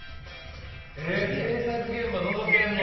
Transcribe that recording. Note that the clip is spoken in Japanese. えっ制作現場のぞけんの？